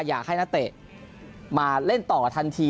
อยากให้นักเตะมาเล่นต่อทันที